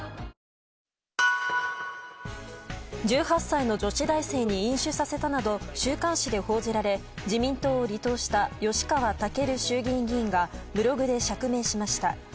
１８歳の女子大生に飲酒させたなど週刊誌で報じられ自民党を離党した吉川赳衆議院議員がブログで釈明しました。